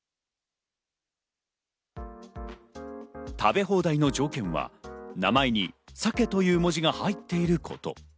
食べ放題の条件は名前に「鮭」という文字が入っていること。